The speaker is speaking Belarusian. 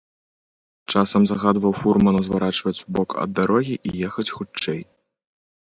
Часам загадваў фурману зварачаць у бок ад дарогі і ехаць хутчэй.